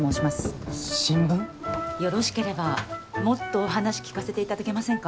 よろしければもっとお話聞かせていただけませんか？